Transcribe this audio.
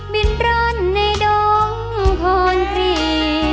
บินรันในดงพรี